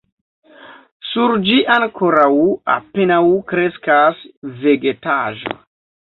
Sur ĝi ankoraŭ apenaŭ kreskas vegetaĵo.